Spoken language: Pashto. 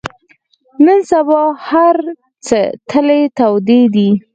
نن سبا هر څه تلې تودې دي.